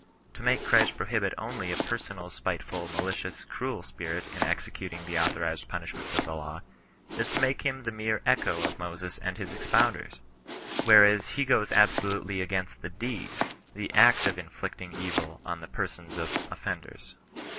To ma^e Christ prohibit only a personal, spiteful, rnali^ cious, cruel spirit in executing the authorized punish ments of the law, is to make him the mere echo of Moses and his expounders : whereas he goes absolutely against the deed — the act of inflicting evil on the persons of of fenders.